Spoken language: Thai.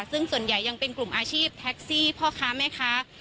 ซึ่งส่วนใหญ่ยังเป็นกลุ่มอาชีพแท็กซี่พ่อค้าแม่ค้า